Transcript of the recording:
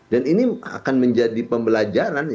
dan ini akan menjadi pembelajaran